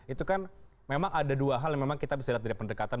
itu kan memang ada dua hal yang memang kita bisa lihat dari pendekatan